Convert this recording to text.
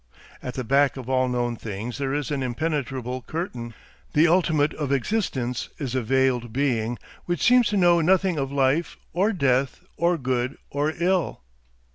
At the back of all known things there is an impenetrable curtain; the ultimate of existence is a Veiled Being, which seems to know nothing of life or death or good or ill.